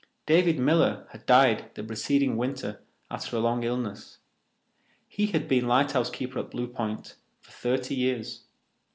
David Miller had died the preceding winter after a long illness. He had been lighthouse keeper at Blue Point for thirty years.